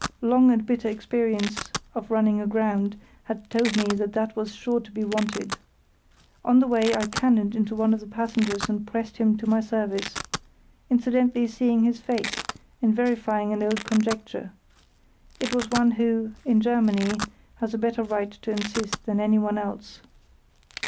Long and bitter experience of running aground had told me that that was sure to be wanted. On the way I cannoned into one of the passengers and pressed him into my service; incidentally seeing his face, and verifying an old conjecture. It was one who, in Germany, has a better right to insist than anyone else.